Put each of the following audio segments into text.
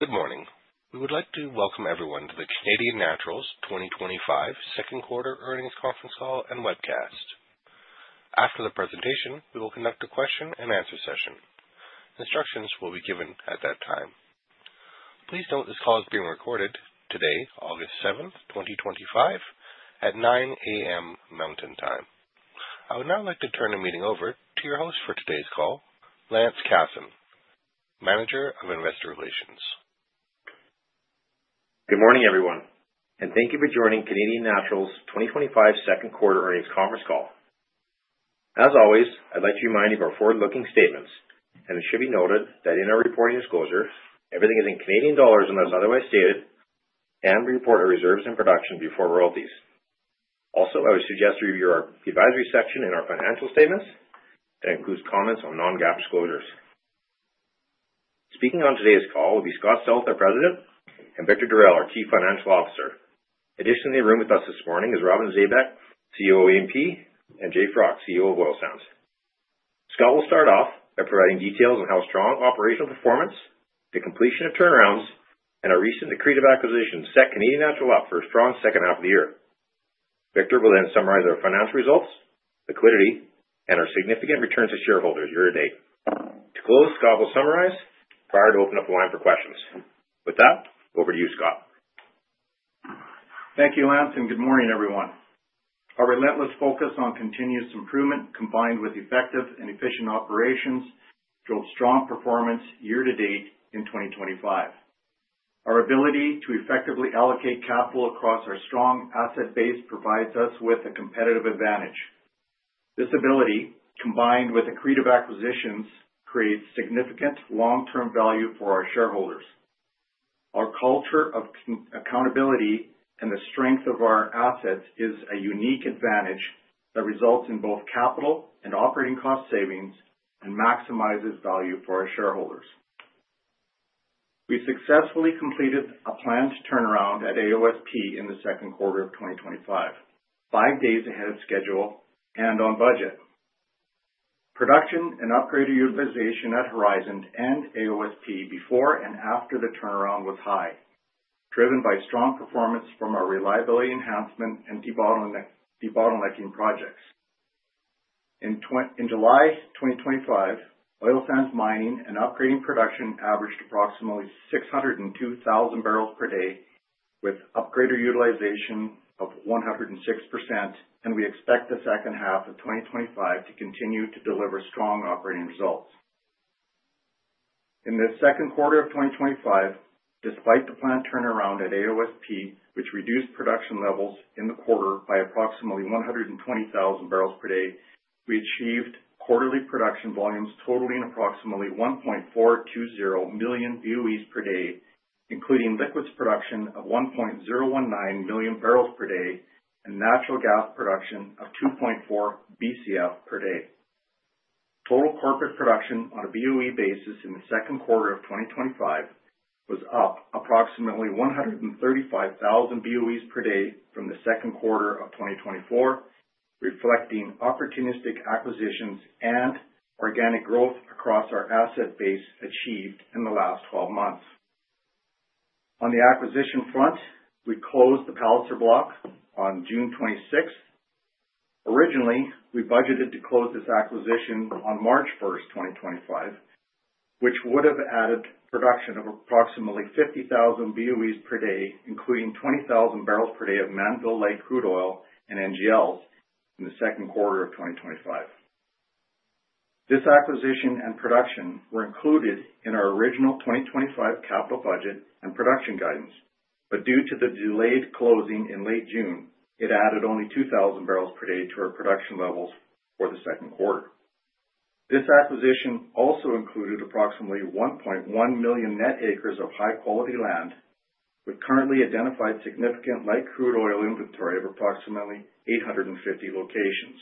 Good morning. We would like to welcome everyone to the Canadian Natural Resources 2025 Second Quarter Earnings Conference Call and Webcast. After the presentation, we will conduct a question and answer session. Instructions will be given at that time. Please note this call is being recorded today, August 7, 2025, at 9:00 A.M. Mountain Time. I would now like to turn the meeting over to your host for today's call, Lance Casson, Manager of Investor Relations. Good morning, everyone, and thank you for joining Canadian Natural Resources' 2025 Second Quarter Earnings Conference Call. As always, I'd like to remind you of our forward-looking statements, and it should be noted that in our reporting disclosures, everything is in Canadian dollars unless otherwise stated, and we report our reserves and production before royalties. I would suggest you review our advisory section in our financial statements that includes comments on non-GAAP disclosures. Speaking on today's call will be Scott Stauth, our President, and Victor Darel, our Chief Financial Officer. Additionally, in the room with us this morning is Lance Casson, Manager of Investor Relations at Canadian Natural Resources. Scott will start off by providing details on how strong operational performance, the completion of turnarounds, and our recent accretive acquisition set Canadian Natural Resources up for a strong second half of the year. Victor will then summarize our financial results, liquidity, and our significant return to shareholders year to date. To close, Scott will summarize prior to opening up the line for questions. With that, over to you, Scott. Thank you, Lance, and good morning, everyone. Our relentless focus on continuous improvement, combined with effective and efficient operations, drove strong performance year to date in 2025. Our ability to effectively allocate capital across our strong asset base provides us with a competitive advantage. This ability, combined with accretive acquisitions, creates significant long-term value for our shareholders. Our culture of accountability and the strength of our assets is a unique advantage that results in both capital and operating cost savings and maximizes value for our shareholders. We successfully completed a planned turnaround at AOSP in the second quarter of 2025, five days ahead of schedule and on budget. Production and operator utilization at Horizon and AOSP before and after the turnaround was high, driven by strong performance from our reliability enhancement and debottlenecking projects. In July 2025, oil sands mining and upgrading production averaged approximately 602,000 bbl per day, with upgrader utilization of 106%, and we expect the second half of 2025 to continue to deliver strong operating results. In the second quarter of 2025, despite the planned turnaround at AOSP, which reduced production levels in the quarter by approximately 120,000 bbl per day, we achieved quarterly production volumes totaling approximately 1.420 million BOEs per day, including liquids production of 1.019 million bbl per day and natural gas production of 2.4 Bcf per day. Total corporate production on a BOE basis in the second quarter of 2025 was up approximately 135,000 BOEs per day from the second quarter of 2024, reflecting opportunistic acquisitions and organic growth across our asset base achieved in the last 12 months. On the acquisition front, we closed the Palliser block on June 26. Originally, we budgeted to close this acquisition on March 1, 2025, which would have added production of approximately 50,000 BOEs per day, including 20,000 bbl per day of Mannville light crude oil and NGLs in the second quarter of 2025. This acquisition and production were included in our original 2025 capital budget and production guidance, but due to the delayed closing in late June, it added only 2,000 bbl per day to our production levels for the second quarter. This acquisition also included approximately 1.1 million net acres of high-quality land, with currently identified significant light crude oil inventory of approximately 850 locations.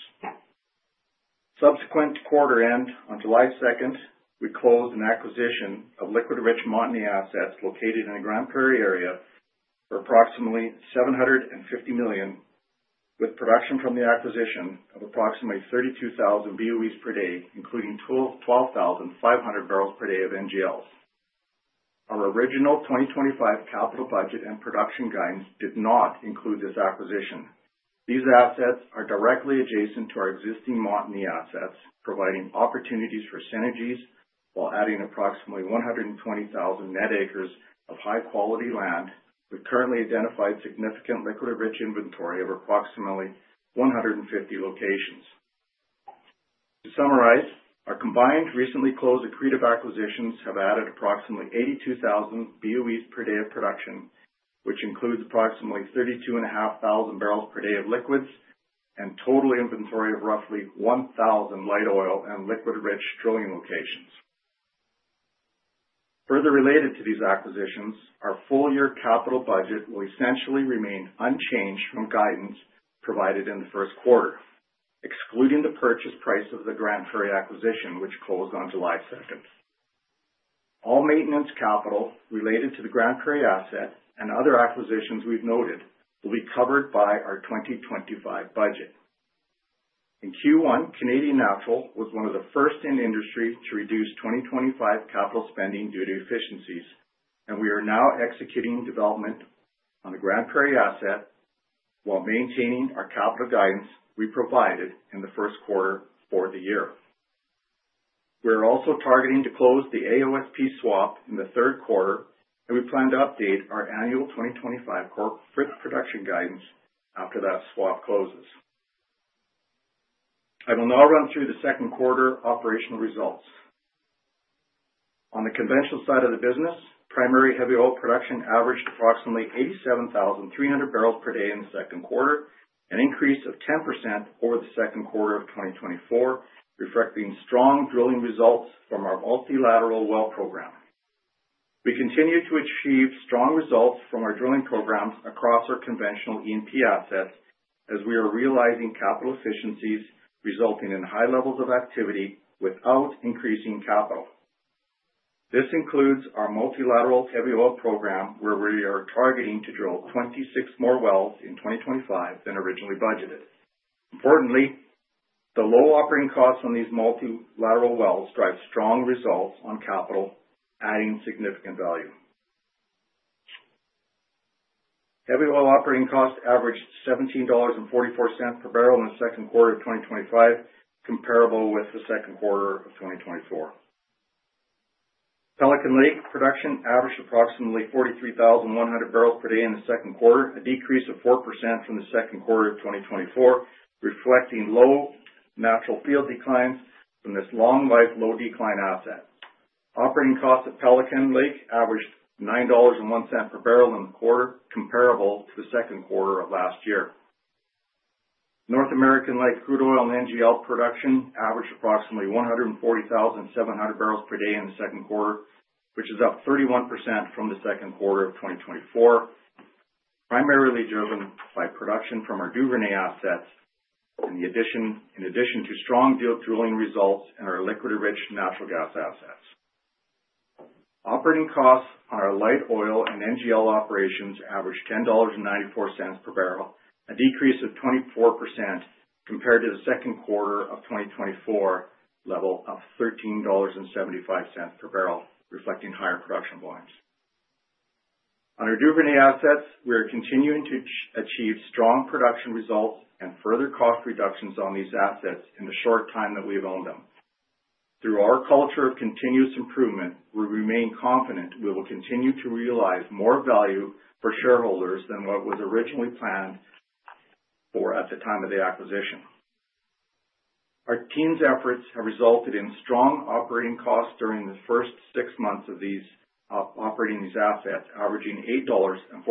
Subsequent quarter end on July 2, we closed an acquisition of liquid-rich Montney assets located in the Grande Prairie area for approximately $750 million, with production from the acquisition of approximately 32,000 BOEs per day, including 12,500 bbl per day of NGLs. Our original 2025 capital budget and production guidance did not include this acquisition. These assets are directly adjacent to our existing Montney assets, providing opportunities for synergies while adding approximately 120,000 net acres of high-quality land, with currently identified significant liquid-rich inventory of approximately 150 locations. To summarize, our combined recently closed accretive acquisitions have added approximately 82,000 BOEs per day of production, which includes approximately 32,500 bbl per day of liquids and a total inventory of roughly 1,000 light oil and liquid-rich drilling locations. Further related to these acquisitions, our full-year capital budget will essentially remain unchanged from guidance provided in the first quarter, excluding the purchase price of the Grande Prairie acquisition, which closed on July 2. All maintenance capital related to the Grande Prairie asset and other acquisitions we've noted will be covered by our 2025 budget. In Q1, Canadian Natural was one of the first in the industry to reduce 2025 capital spending due to efficiencies, and we are now executing development on the Grande Prairie asset while maintaining our capital guidance we provided in the first quarter for the year. We are also targeting to close the AOSP swap in the third quarter, and we plan to update our annual 2025 corporate production guidance after that swap closes. I will now run through the second quarter operational results. On the conventional side of the business, primary heavy oil production averaged approximately 87,300 bbl per day in the second quarter, an increase of 10% over the second quarter of 2024, reflecting strong drilling results from our multilateral well program. We continue to achieve strong results from our drilling programs across our conventional E&P assets as we are realizing capital efficiencies resulting in high levels of activity without increasing capital. This includes our multilateral heavy oil program where we are targeting to drill 26 more wells in 2025 than originally budgeted. Importantly, the low operating costs on these multilateral wells drive strong results on capital, adding significant value. Heavy oil operating costs averaged $17.44 per barrel in the second quarter of 2025, comparable with the second quarter of 2024. Pelican Lake production averaged approximately 43,100 bbl per day in the second quarter, a decrease of 4% from the second quarter of 2024, reflecting low natural field declines from this long-life, low-decline asset. Operating costs at Pelican Lake averaged $9.01 per barrel in the quarter, comparable to the second quarter of last year. North American light crude oil and NGL production averaged approximately 140,700 bbl per day in the second quarter, which is up 31% from the second quarter of 2024, primarily driven by production from our Duvernay assets in addition to strong drilling results in our liquid-rich natural gas assets. Operating costs on our light oil and NGL operations averaged $10.94 per barrel, a decrease of 24% compared to the second quarter of 2024 level of $13.75 per barrel, reflecting higher production volumes. On our Duvernay assets, we are continuing to achieve strong production results and further cost reductions on these assets in the short time that we've owned them. Through our culture of continuous improvement, we remain confident we will continue to realize more value for shareholders than what was originally planned for at the time of the acquisition. Our team's efforts have resulted in strong operating costs during the first six months of operating these assets, averaging $8.43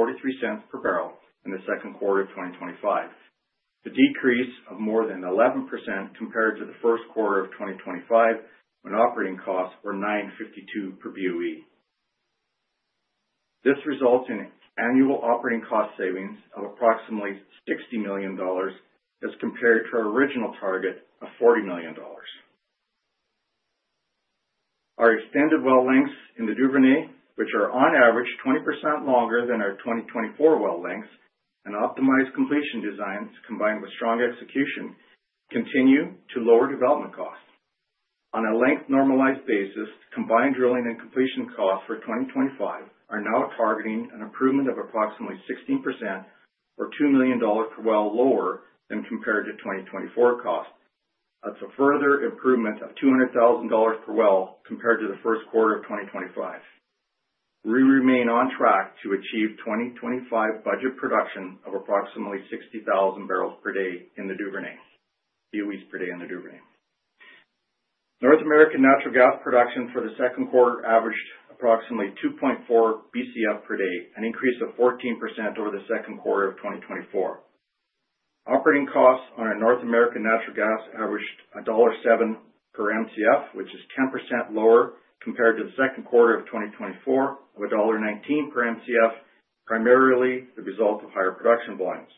per barrel in the second quarter of 2025, a decrease of more than 11% compared to the first quarter of 2025 when operating costs were $9.52 per BOE. This results in annual operating cost savings of approximately $60 million as compared to our original target of $40 million. Our extended well lengths in the Duvernay, which are on average 20% longer than our 2024 well lengths, and optimized completion designs combined with strong execution continue to lower development costs. On a length-normalized basis, combined drilling and completion costs for 2025 are now targeting an improvement of approximately 16% or $2 million per well lower than compared to 2024 costs. That's a further improvement of $200,000 per well compared to the first quarter of 2025. We remain on track to achieve 2025 budget production of approximately 60,000 bbl per day in the Duvernay, BOEs per day in the Duvernay. North American natural gas production for the second quarter averaged approximately 2.4 BCF per day, an increase of 14% over the second quarter of 2024. Operating costs on our North American natural gas averaged $1.07 per MCF, which is 10% lower compared to the second quarter of 2024, of $1.19 per MCF, primarily the result of higher production volumes.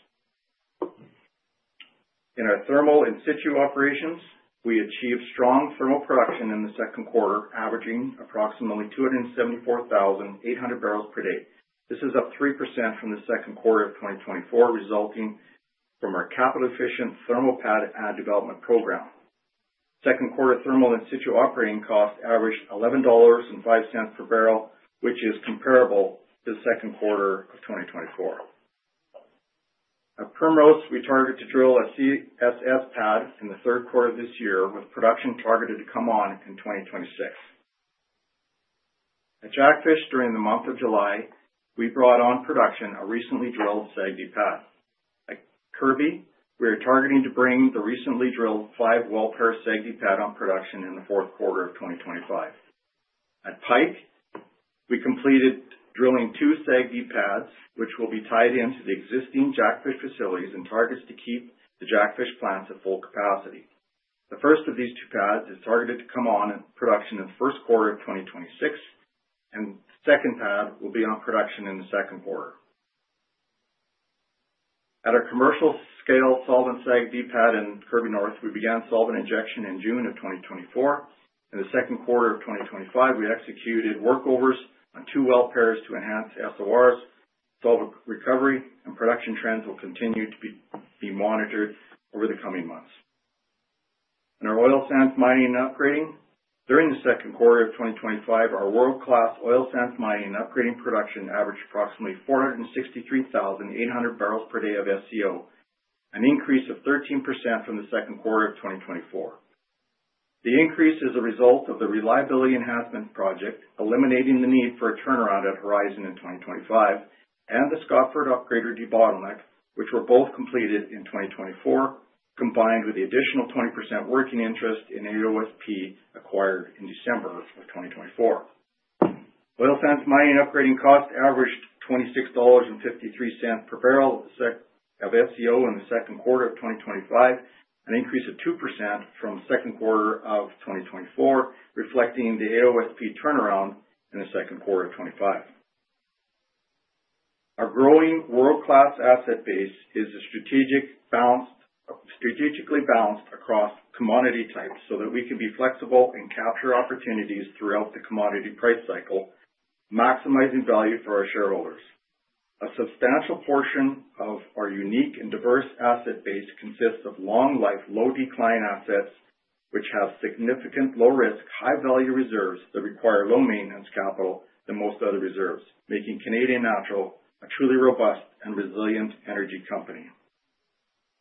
In our thermal in-situ operations, we achieved strong thermal production in the second quarter, averaging approximately 274,800 bbl per day. This is up 3% from the second quarter of 2024, resulting from our capital-efficient thermal pad development program. Second quarter thermal in-situ operating costs averaged $11.05 per barrel, which is comparable to the second quarter of 2024. At Primrose, we target to drill a CSS pad in the third quarter of this year, with production targeted to come on in 2026. At Jackfish, during the month of July, we brought on production of recently drilled SAGD pad. At Kirby, we are targeting to bring the recently drilled five well pair SAGD pad on production in the fourth quarter of 2025. At Pike, we completed drilling two SAGD pads, which will be tied into the existing Jackfish facilities and targets to keep the Jackfish plants at full capacity. The first of these two pads is targeted to come on in production in the first quarter of 2026, and the second pad will be on production in the second quarter. At our commercial scale solvent SAGD pad in Kirby North, we began solvent injection in June of 2024. In the second quarter of 2025, we executed workovers on two well pairs to enhance SORs. Solvent recovery and production trends will continue to be monitored over the coming months. In our oil sands mining and upgrading, during the second quarter of 2025, our world-class oil sands mining and upgrading production averaged approximately 463,800 bbl per day of SCO, an increase of 13% from the second quarter of 2024. The increase is a result of the reliability enhancement project, eliminating the need for a turnaround at Horizon in 2025, and the Scotford upgrader debottleneck, which were both completed in 2024, combined with the additional 20% working interest in AOSP acquired in December of 2024. Oil sands mining and upgrading costs averaged $26.53 per barrel of SCO in the second quarter of 2025, an increase of 2% from the second quarter of 2024, reflecting the AOSP turnaround in the second quarter of 2025. Our growing world-class asset base is strategically balanced across commodity types so that we can be flexible and capture opportunities throughout the commodity price cycle, maximizing value for our shareholders. A substantial portion of our unique and diverse asset base consists of long-life low-decline assets, which have significant low-risk, high-value reserves that require lower maintenance capital than most other reserves, making Canadian Natural a truly robust and resilient energy company.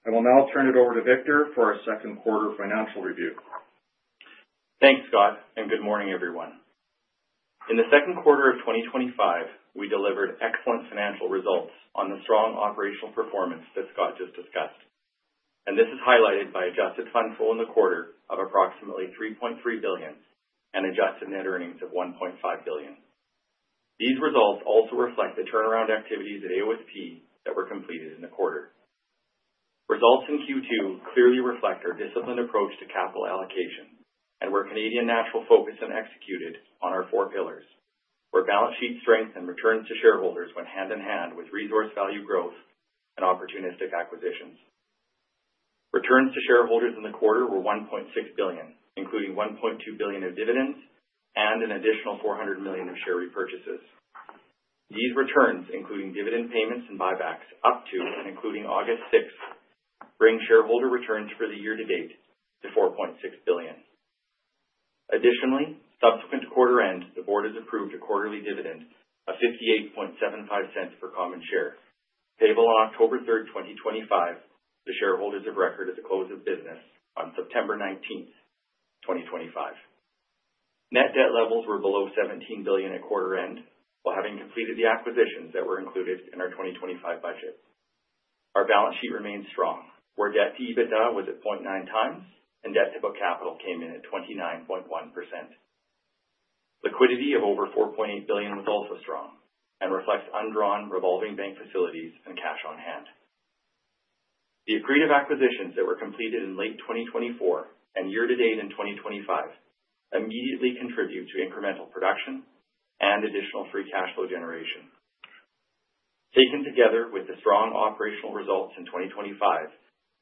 I will now turn it over to Victor for our second quarter financial review. Thanks, Scott, and good morning, everyone. In the second quarter of 2025, we delivered excellent financial results on the strong operational performance that Scott just discussed, and this is highlighted by adjusted funds flow in the quarter of approximately $3.3 billion and adjusted net earnings of $1.5 billion. These results also reflect the turnaround activities at AOSP that were completed in the quarter. Results in Q2 clearly reflect our disciplined approach to capital allocation and where Canadian Natural focused and executed on our four pillars, where balance sheet strength and returns to shareholders went hand in hand with resource value growth and opportunistic acquisitions. Returns to shareholders in the quarter were $1.6 billion, including $1.2 billion of dividends and an additional $400 million of share repurchases. These returns, including dividend payments and buybacks, up to and including August 6th, bring shareholder returns for the year to date to $4.6 billion. Additionally, subsequent to quarter end, the Board has approved a quarterly dividend of $0.5875 per common share, payable on October 3rd, 2025, to shareholders of record at the close of business on September 19th, 2025. Net debt levels were below $17 billion at quarter end, while having completed the acquisitions that were included in our 2025 budget. Our balance sheet remains strong, where debt to EBITDA was at 0.9x and debt to book capital came in at 29.1%. Liquidity of over $4.8 billion was also strong and reflects undrawn revolving bank facilities and cash on hand. The accretive acquisitions that were completed in late 2024 and year to date in 2025 immediately contribute to incremental production and additional free cash flow generation. Taken together with the strong operational results in 2025,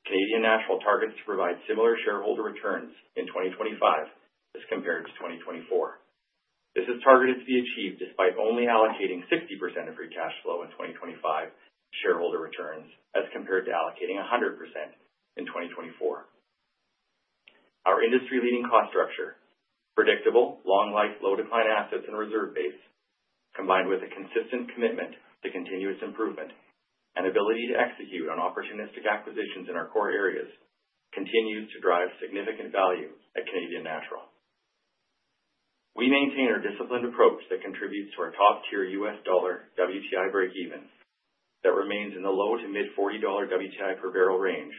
Canadian Natural targets to provide similar shareholder returns in 2025 as compared to 2024. This is targeted to be achieved despite only allocating 60% of free cash flow in 2025 to shareholder returns as compared to allocating 100% in 2024. Our industry-leading cost structure, predictable long-life low-decline assets and reserve base, combined with a consistent commitment to continuous improvement and ability to execute on opportunistic acquisitions in our core areas, continues to drive significant value at Canadian Natural. We maintain our disciplined approach that contributes to our top-tier U.S. dollar WTI breakeven that remains in the low to mid-$40 WTI per barrel range,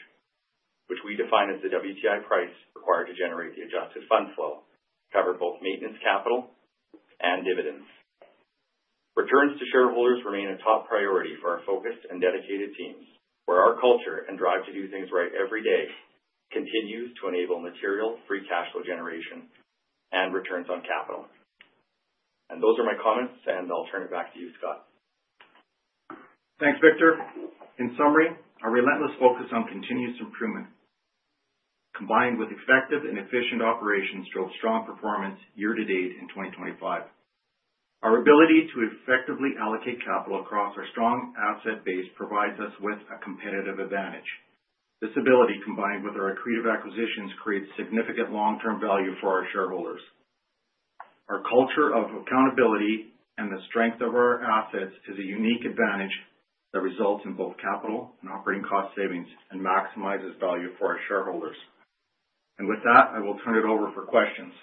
which we define as the WTI price required to generate the adjusted funds flow to cover both maintenance capital and dividends. Returns to shareholders remain a top priority for our focused and dedicated teams, where our culture and drive to do things right every day continue to enable material free cash flow generation and returns on capital. Those are my comments, and I'll turn it back to you, Scott. Thanks, Mark. In summary, our relentless focus on continuous improvement, combined with effective and efficient operations, drove strong performance year to date in 2025. Our ability to effectively allocate capital across our strong asset base provides us with a competitive advantage. This ability, combined with our accretive acquisitions, creates significant long-term value for our shareholders. Our culture of accountability and the strength of our assets is a unique advantage that results in both capital and operating cost savings and maximizes value for our shareholders. I will turn it over for questions.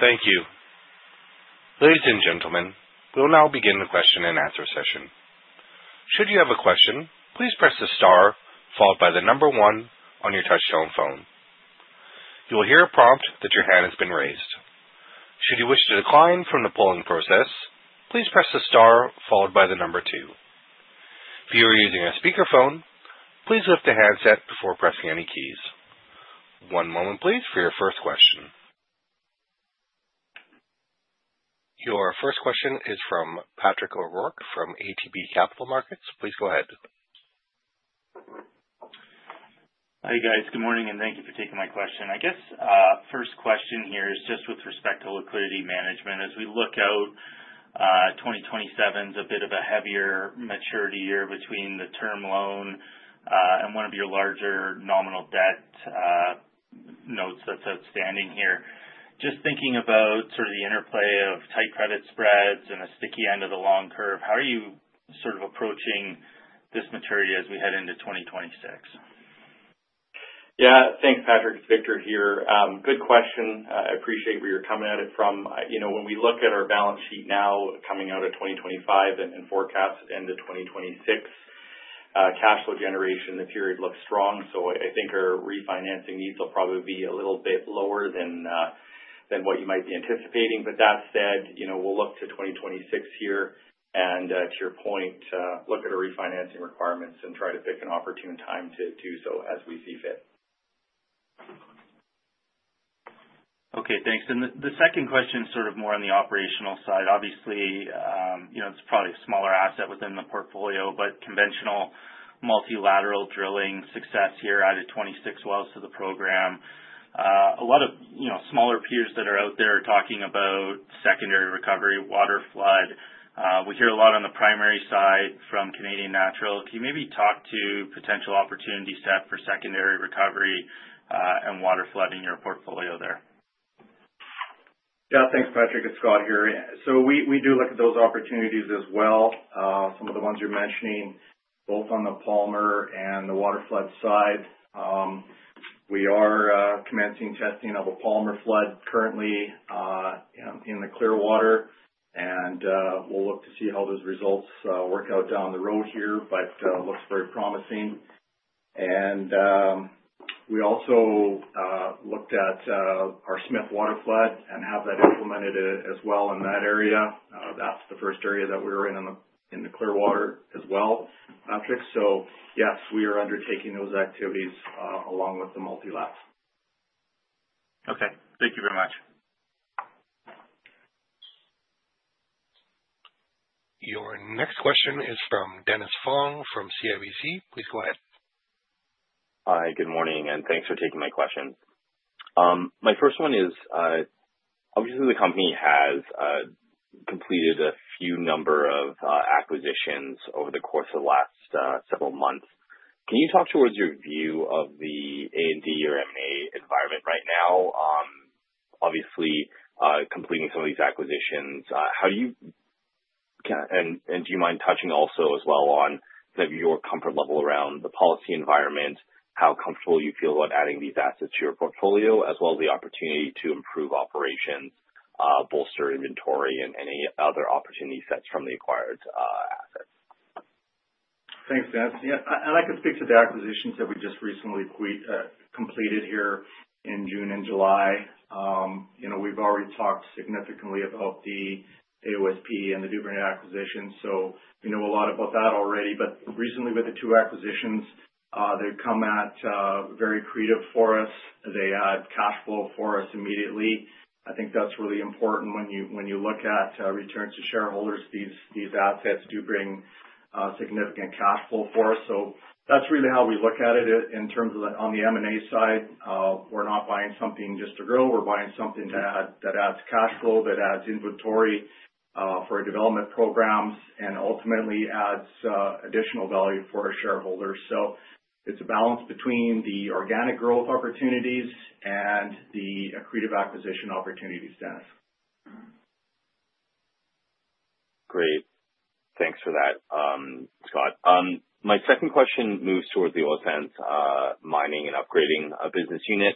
Thank you. Ladies and gentlemen, we'll now begin the question-and-answer session. Should you have a question, please press the star followed by the number one on your touchtone phone. You will hear a prompt that your hand has been raised. Should you wish to decline from the polling process, please press the star followed by the number two. If you are using a speakerphone, please lift a handset before pressing any keys. One moment, please, for your first question. Your first question is from Patrick O'Rourke from ATB Capital Markets. Please go ahead. Hi guys, good morning and thank you for taking my question. First question here is just with respect to liquidity management. As we look out, 2027 is a bit of a heavier maturity year between the term loan and one of your larger nominal debt notes that's outstanding here. Just thinking about the interplay of tight credit spreads and a sticky end of the long curve, how are you approaching this maturity as we head into 2026? Yeah, thanks Patrick, it's Victor here. Good question. I appreciate where you're coming at it from. You know, when we look at our balance sheet now coming out of 2025 and forecast end of 2026, cash flow generation in the period looks strong. I think our refinancing needs will probably be a little bit lower than what you might be anticipating. That said, we'll look to 2026 here and, to your point, look at our refinancing requirements and try to pick an opportune time to do so as we see fit. Okay, thanks. The second question is sort of more on the operational side. Obviously, you know, it's probably a smaller asset within the portfolio, but conventional multilateral drilling success here added 26 wells to the program. A lot of, you know, smaller peers that are out there are talking about secondary recovery, water flood. We hear a lot on the primary side from Canadian Natural. Can you maybe talk to potential opportunities set for secondary recovery and water flood in your portfolio there? Yeah, thanks Patrick, it's Scott here. We do look at those opportunities as well, some of the ones you're mentioning, both on the Palliser and the water flood side. We are commencing testing of a Palliser flood currently in the Clearwater, and we'll look to see how those results work out down the road here, but it looks very promising. We also looked at our Smith water flood and have that implemented as well in that area. That's the first area that we were in in the Clearwater as well, Patrick. Yes, we are undertaking those activities, along with the multilateral. Okay, thank you very much. Your next question is from Dennis Fong from CIBC. Please go ahead. Hi, good morning, and thanks for taking my question. My first one is, obviously the company has completed a few number of acquisitions over the course of the last several months. Can you talk towards your view of the A&D or M&A environment right now? Obviously, completing some of these acquisitions, do you mind touching also as well on kind of your comfort level around the policy environment, how comfortable you feel about adding these assets to your portfolio, as well as the opportunity to improve operations, bolster inventory, and any other opportunity sets from the acquired assets? Thanks, Dennis. I'd like to speak to the acquisitions that we just recently completed here in June and July. We've already talked significantly about the AOSP and the Dubinet acquisition, so we know a lot about that already. Recently with the two acquisitions, they've come at, very accretive for us. They add cash flow for us immediately. I think that's really important when you look at returns to shareholders. These assets do bring significant cash flow for us. That's really how we look at it in terms of on the M&A side. We're not buying something just to drill. We're buying something that adds cash flow, that adds inventory for development programs, and ultimately adds additional value for our shareholders. It's a balance between the organic growth opportunities and the accretive acquisition opportunities, Dennis. Great, thanks for that, Scott. My second question moves toward the oil sands mining and upgrading business unit.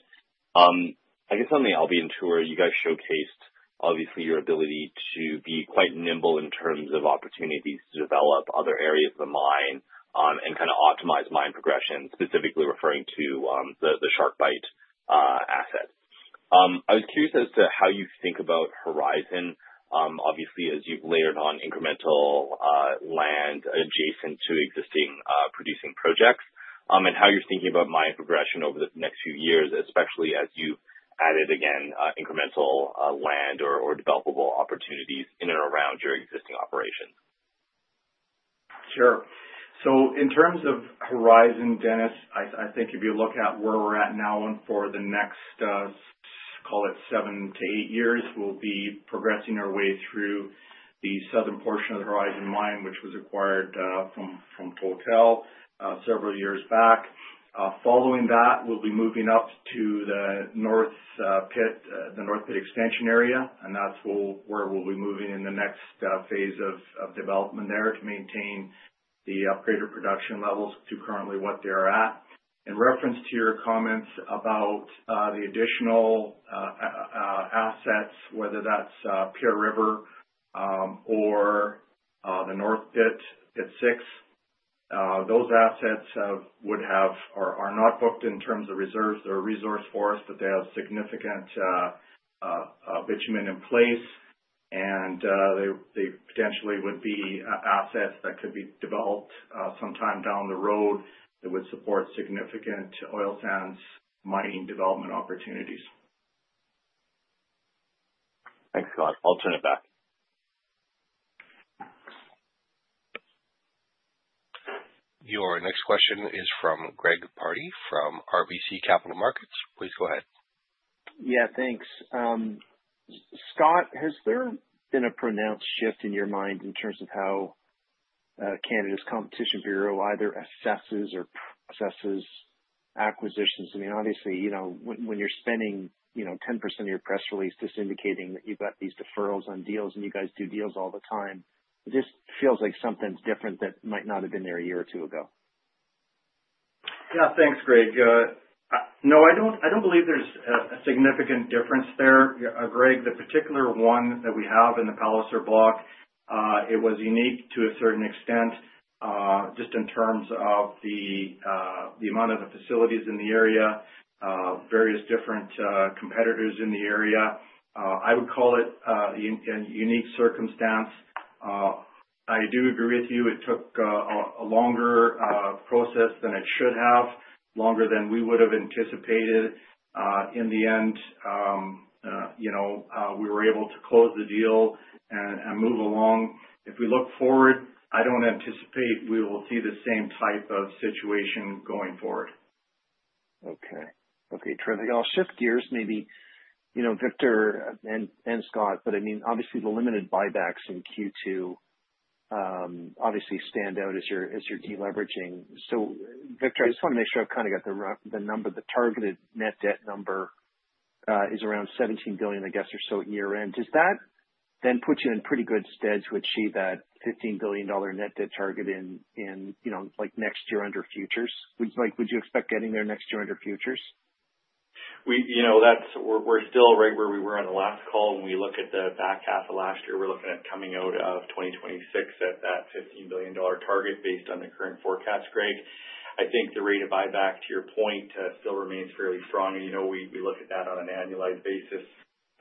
I guess on the Albion tour, you guys showcased your ability to be quite nimble in terms of opportunities to develop other areas of the mine and optimize mine progression, specifically referring to the SharkBite asset. I was curious as to how you think about Horizon, obviously, as you've layered on incremental land adjacent to existing producing projects, and how you're thinking about mine progression over the next few years, especially as you added again incremental land or developable opportunities in and around your existing operations. Sure. In terms of Horizon, Dennis, I think if you look at where we're at now for the next, call it, seven to eight years, we'll be progressing our way through the southern portion of the Horizon mine, which was acquired from Total several years back. Following that, we'll be moving up to the North Pit, the North Pit Extension area, and that's where we'll be moving in the next phase of development there to maintain the upgraded production levels to currently what they're at. In reference to your comments about the additional assets, whether that's Pierre River or the North Pit, Pit 6, those assets are not booked in terms of reserves. They're a resource for us, but they have significant bitumen in place, and they potentially would be assets that could be developed sometime down the road that would support significant oil sands mining development opportunities. Thanks, Scott. I'll turn it back. Your next question is from Greg Pardy from RBC Capital Markets. Please go ahead. Yeah, thanks. Scott, has there been a pronounced shift in your mind in terms of how Canada's Competition Bureau either assesses or processes acquisitions? I mean, obviously, you know, when you're spending, you know, 10% of your press release indicating that you've got these deferrals on deals and you guys do deals all the time, this feels like something's different that might not have been there a year or two ago. Yeah, thanks, Greg. No, I don't believe there's a significant difference there. Greg, the particular one that we have in the Palliser block was unique to a certain extent, just in terms of the amount of the facilities in the area, various different competitors in the area. I would call it a unique circumstance. I do agree with you. It took a longer process than it should have, longer than we would have anticipated. In the end, we were able to close the deal and move along. If we look forward, I don't anticipate we will see the same type of situation going forward. Okay, terrific. I'll shift gears maybe, you know, Victor and Scott, but I mean, obviously, the limited buybacks in Q2 obviously stand out as you're deleveraging. So, Mark, I just want to make sure I've kind of got the number, the targeted net debt number, is around $17 billion, I guess, or so year-end. Does that then put you in pretty good stead to achieve that $15 billion net debt target in, you know, like next year under futures? Would you expect getting there next year under futures? We're still right where we were on the last call. When we look at the back half of last year, we're looking at coming out of 2026 at that $15 billion target based on the current forecast, Greg. I think the rate of buyback, to your point, still remains fairly strong. We look at that on an annualized basis.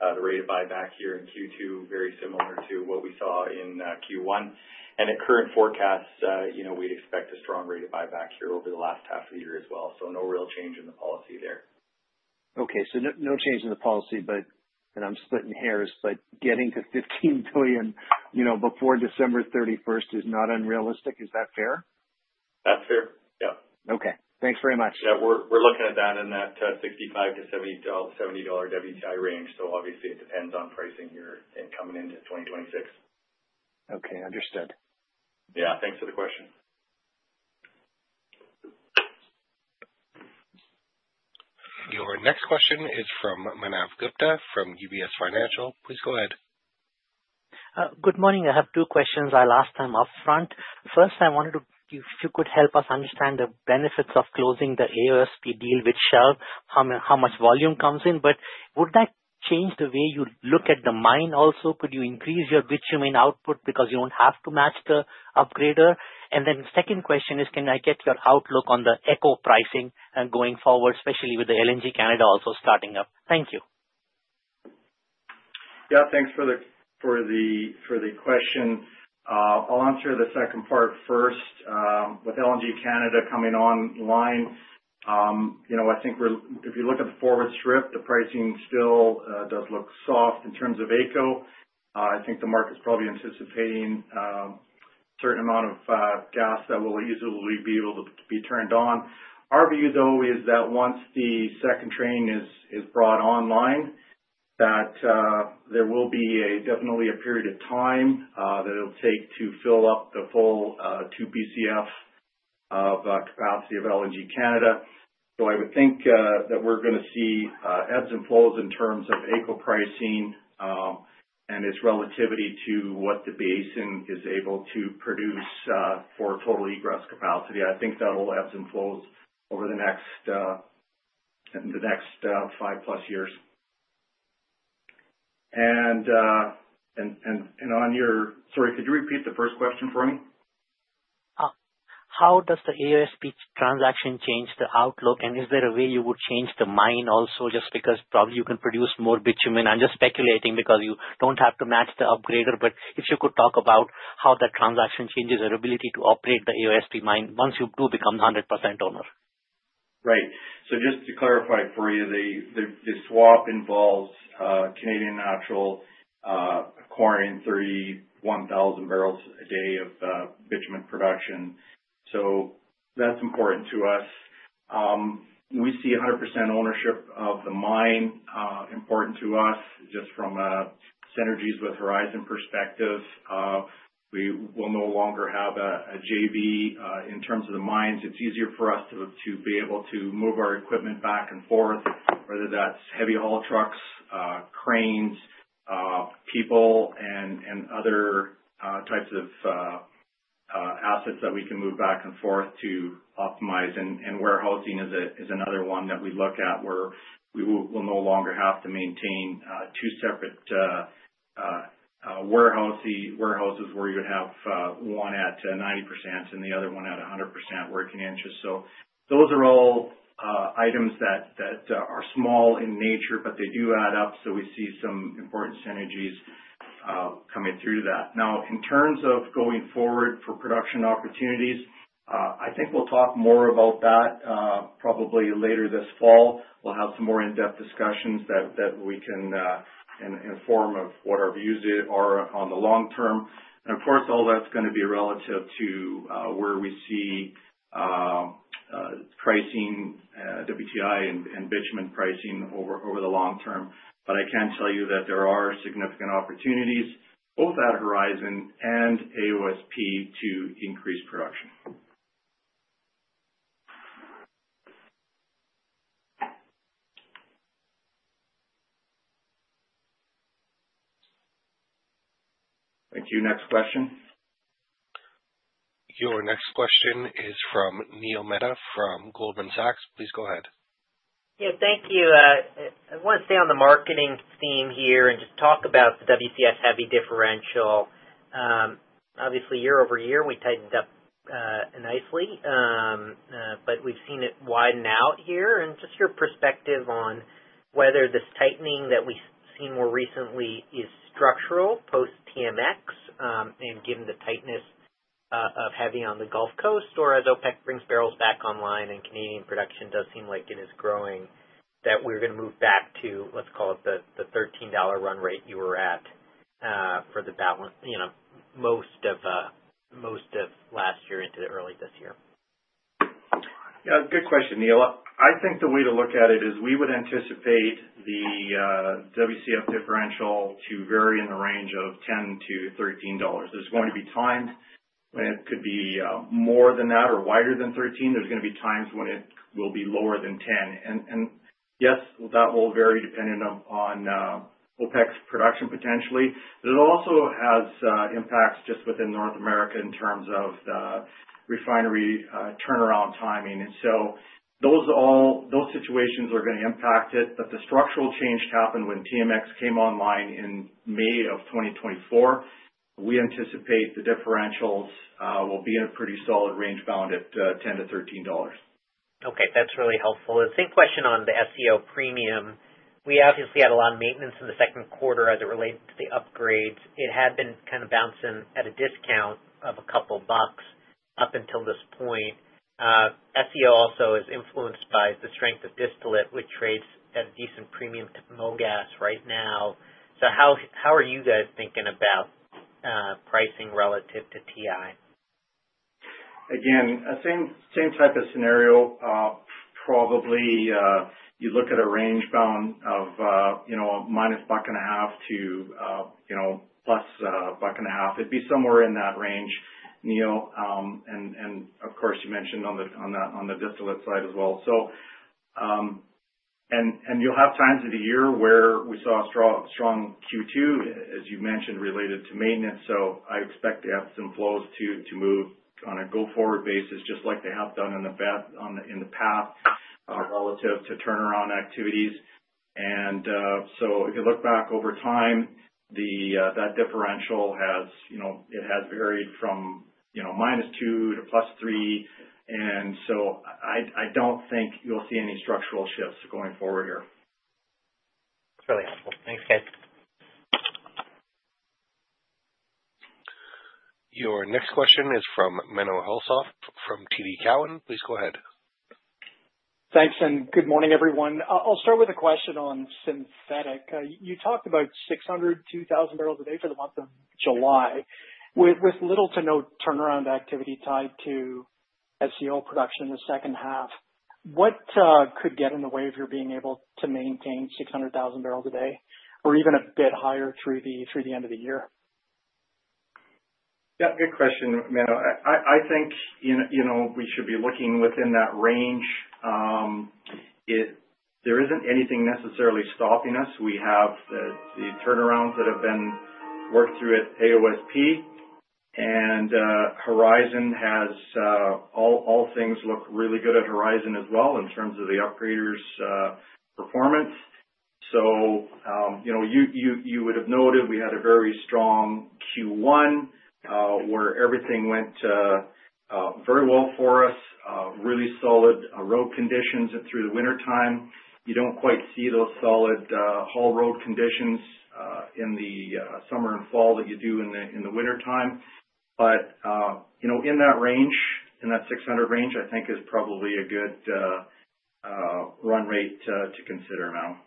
The rate of buyback here in Q2 is very similar to what we saw in Q1. At current forecasts, we'd expect a strong rate of buyback here over the last half of the year as well. No real change in the policy there. Okay, no change in the policy, but I'm splitting hairs, but getting to $15 billion before December 31 is not unrealistic. Is that fair? That's fair, yeah. Okay, thanks very much. Yeah, we're looking at that in that $65-$70 WTI range. Obviously, it depends on pricing you're saying coming into 2026. Okay, understood. Yeah, thanks for the question. Your next question is from Manav Gupta from UBS Financial. Please go ahead. Good morning. I have two questions. I'll ask them upfront. First, I wanted to see if you could help us understand the benefits of closing the AOSP deal, which shows how much volume comes in. Would that change the way you look at the mine also? Could you increase your bitumen output because you don't have to match the upgrader? The second question is, can I get your outlook on the AECO pricing going forward, especially with LNG Canada also starting up? Thank you. Yeah, thanks for the question. I'll answer the second part first. With LNG Canada coming online, you know, I think if you look at the forward strip, the pricing still does look soft in terms of AECO. I think the market's probably anticipating a certain amount of gas that will easily be able to be turned on. Our view, though, is that once the second train is brought online, there will definitely be a period of time that it'll take to fill up the full 2 BCF of capacity of LNG Canada. I would think that we're going to see ebbs and flows in terms of AECO pricing and its relativity to what the basin is able to produce for a total egress capacity. I think that'll ebb and flow over the next five-plus years. Sorry, could you repeat the first question for me? How does the AOSP transaction change the outlook, and is there a way you would change the mine also just because probably you can produce more bitumen? I'm just speculating because you don't have to match the upgrader, but if you could talk about how that transaction changes your ability to operate the AOSP mine once you do become the 100% owner. Right. Just to clarify for you, the swap involves Canadian Natural Resources acquiring 3,000 bbl a day of bitumen production. That's important to us. We see 100% ownership of the mine as important to us just from a synergies with Horizon perspective. We will no longer have a JV in terms of the mines. It's easier for us to be able to move our equipment back and forth, whether that's heavy haul trucks, cranes, people, and other types of assets that we can move back and forth to optimize. Warehousing is another one that we look at where we will no longer have to maintain two separate warehouses where you would have one at 90% and the other one at 100% working interest. Those are all items that are small in nature, but they do add up. We see some important synergies coming through that. In terms of going forward for production opportunities, I think we'll talk more about that probably later this fall. We'll have some more in-depth discussions that we can, and form of what our views are on the long term. Of course, all that's going to be relative to where we see pricing WTI and bitumen pricing over the long term. I can tell you that there are significant opportunities both at Horizon and AOSP to increase production. Thank you. Next question. Thank you. Our next question is from Neil Mehta from Goldman Sachs. Please go ahead. Yeah, thank you. I want to stay on the marketing theme here and just talk about the WCS heavy differential. Obviously, year-over-year, we tightened up nicely. We've seen it widen out here. Just your perspective on whether this tightening that we've seen more recently is structural post-TMX, and given the tightness of heavy on the Gulf Coast, or as OPEC brings barrels back online and Canadian production does seem like it is growing, that we're going to move back to, let's call it the $13 run rate you were at for the balance, you know, most of last year into early this year. Yeah, good question, Neil. I think the way to look at it is we would anticipate the WCS differential to vary in the range of $10-$13. There's going to be times when it could be more than that or wider than $13. There's going to be times when it will be lower than $10. Yes, that will vary depending on OPEC's production potentially. It also has impacts just within North America in terms of the refinery turnaround timing. Those situations are going to impact it. The structural change happened when TMX came online in May of 2024. We anticipate the differentials will be in a pretty solid range bound at $10-$13. Okay, that's really helpful. The same question on the SEO premium. We obviously had a lot of maintenance in the second quarter as it related to the upgrades. It had been kind of bouncing at a discount of a couple bucks up until this point. SEO also is influenced by the strength of distillate, which rates at a decent premium to MOGAS right now. How are you guys thinking about pricing relative to WTI? Again, the same type of scenario, probably, you look at a range bound of, you know, a -$1.50 to, you know, +$1.50. It'd be somewhere in that range, Neil. Of course, you mentioned on the distillate side as well. You'll have times of the year where we saw a strong, strong Q2, as you mentioned, related to maintenance. I expect the assets and flows to move on a go-forward basis, just like they have done in the past, relative to turnaround activities. If you look back over time, that differential has, you know, it has varied from, you know, -$2.00 to +$3.00. I don't think you'll see any structural shifts going forward here. That's really helpful. Thanks, guys. Your next question is from Menno Hulshof from TD Securities. Please go ahead. Thanks, and good morning, everyone. I'll start with a question on synthetic. You talked about 600,000 to 2,000 bbl a day for the month of July, with little to no turnaround activity tied to synthetic crude oil production in the second half. What could get in the way of your being able to maintain 600,000 bbl a day, or even a bit higher through the end of the year? Yeah, good question, Menno. I think, you know, we should be looking within that range. There isn't anything necessarily stopping us. We have the turnarounds that have been worked through at AOSP, and Horizon has, all things look really good at Horizon as well in terms of the upgraders' performance. You would have noted we had a very strong Q1, where everything went very well for us, really solid road conditions through the wintertime. You don't quite see those solid haul road conditions in the summer and fall that you do in the wintertime. In that range, in that 600 range, I think is probably a good run rate to consider now.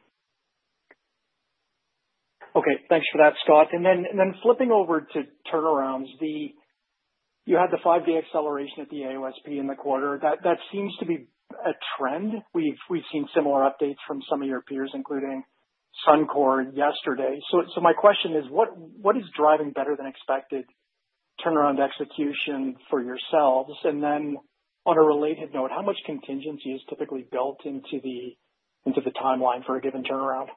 Okay, thanks for that, Scott. Flipping over to turnarounds, you had the five-day acceleration at the AOSP in the quarter. That seems to be a trend. We've seen similar updates from some of your peers, including Canadian Natural Resources yesterday. My question is, what is driving better than expected turnaround execution for yourselves? On a related note, how much contingency is typically built into the timeline for a given turnaround?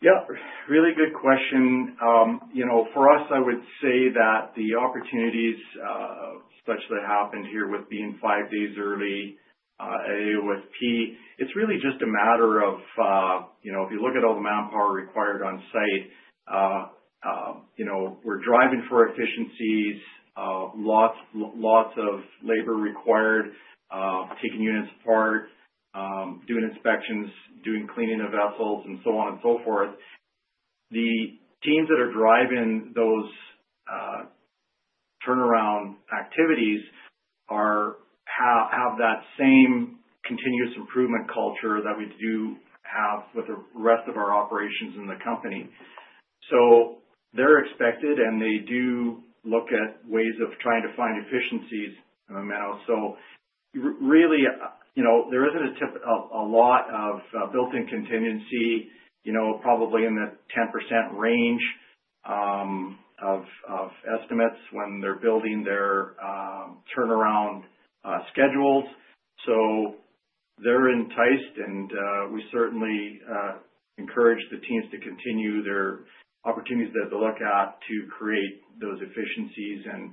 Yeah, really good question. You know, for us, I would say that the opportunities, especially that happened here with being five days early, AOSP, it's really just a matter of, you know, if you look at all the manpower required on site, we're driving for efficiencies, lots of labor required, taking units apart, doing inspections, doing cleaning of vessels, and so on and so forth. The teams that are driving those turnaround activities have that same continuous improvement culture that we do have with the rest of our operations in the company. They're expected, and they do look at ways of trying to find efficiencies in the middle. There isn't a lot of built-in contingency, probably in the 10% range of estimates when they're building their turnaround schedules. They're enticed, and we certainly encourage the teams to continue their opportunities that they look at to create those efficiencies and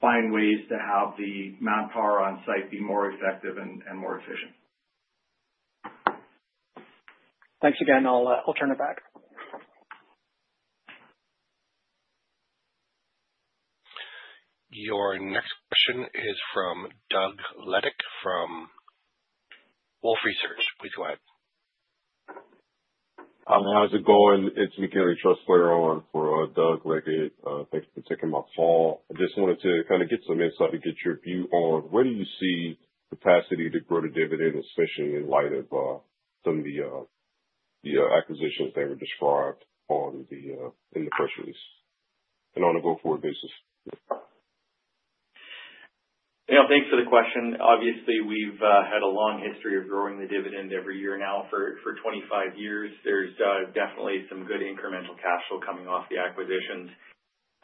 find ways to have the manpower on site be more effective and more efficient. Thanks again. I'll turn it back. Your next question is from Doug Leggate from Wolfe Research. Please go ahead. Hi, how's it going? It's Mackenzie Trust for Doug Ledick. Thanks for taking my call. I just wanted to get some insight and get your view on where do you see capacity to grow the dividend, especially in light of some of the acquisitions that were described in the press release and on a go-forward basis. Yeah, thanks for the question. Obviously, we've had a long history of growing the dividend every year now for 25 years. There's definitely some good incremental cash flow coming off the acquisitions.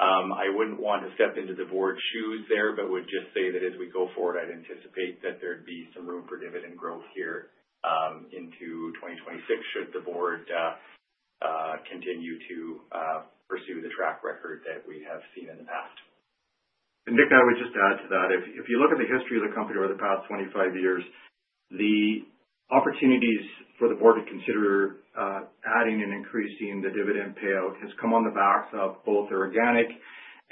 I wouldn't want to step into the Board's shoes there, but I would just say that as we go forward, I'd anticipate that there'd be some room for dividend growth here, into 2026 should the Board continue to pursue the track record that we have seen in the past. Nick, I would just add to that. If you look at the history of the company over the past 25 years, the opportunities for the Board to consider adding and increasing the dividend payout has come on the backs of both organic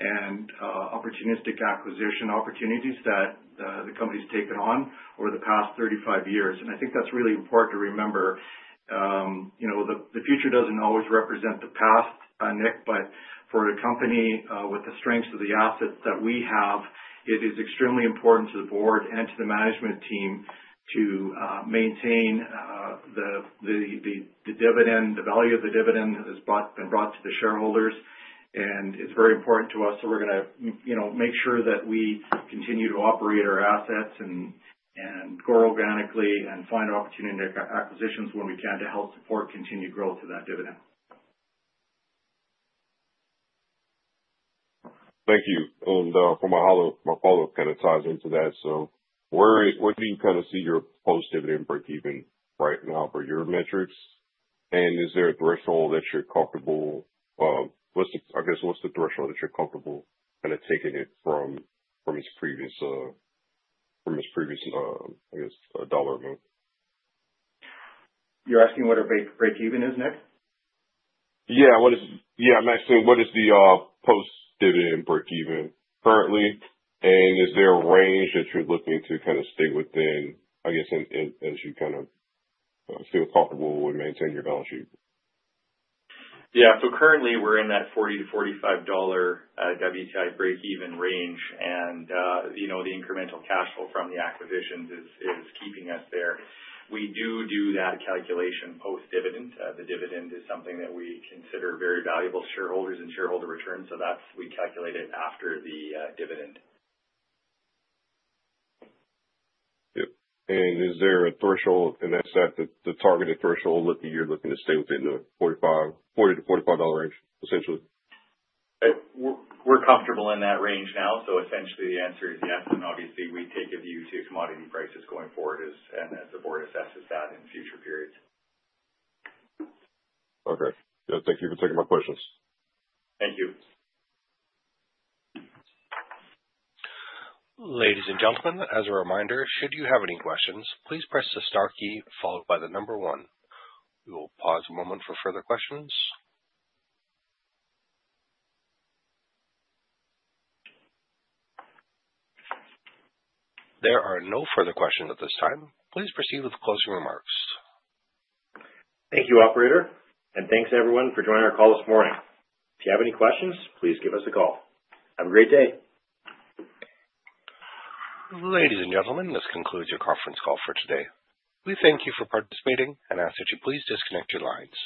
and opportunistic acquisition opportunities that the company's taken on over the past 35 years. I think that's really important to remember. The future doesn't always represent the past, Nick, but for a company with the strength of the assets that we have, it is extremely important to the Board and to the management team to maintain the dividend, the value of the dividend that has been brought to the shareholders. It's very important to us. We're going to make sure that we continue to operate our assets and grow organically and find opportunity acquisitions when we can to help support continued growth of that dividend. Thank you. For my follow-up, my follow-up kind of ties into that. Where do you kind of see your post-dividend breakeven right now for your metrics? Is there a threshold that you're comfortable, what's the, I guess, what's the threshold that you're comfortable kind of taking it from its previous, from its previous, I guess, dollar amount? You're asking what a breakeven is, Nick? What is the post-dividend breakeven currently? Is there a range that you're looking to stay within as you seem comfortable with maintaining your balance sheet? Yeah, currently, we're in that $40-$45 WTI breakeven range. The incremental cash flow from the acquisitions is keeping us there. We do that calculation post-dividend. The dividend is something that we consider very valuable to shareholders and shareholder returns, so we calculate it after the dividend. Is there a threshold in that sense that the targeted threshold you're looking to stay within the $40-$45 range, essentially? We're comfortable in that range now. Essentially, the answer is yes, and obviously, we take a view to commodity prices going forward as the Board assesses that in future periods. Okay, thank you for taking my questions. Thank you. Ladies and gentlemen, as a reminder, should you have any questions, please press the star key followed by the number one. We will pause a moment for further questions. There are no further questions at this time. Please proceed with closing remarks. Thank you, operator. Thank you, everyone, for joining our call this morning. If you have any questions, please give us a call. Have a great day. Ladies and gentlemen, this concludes your conference call for today. We thank you for participating and ask that you please disconnect your lines.